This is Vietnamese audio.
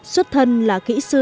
xuất thân là kỹ sư